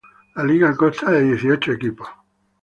La liga consta de dieciocho equipos.